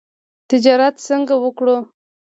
تجارت څنګه وکړو؟